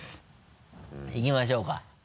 いきましょうか。